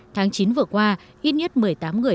tháng chín vừa qua ít nhất một mươi tám người